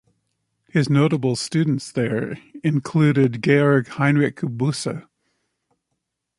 His notable students there included and Georg Heinrich Busse.